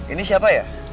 ini siapa ya